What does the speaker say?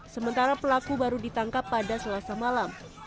sementara pelaku baru ditangkap pada selasa malam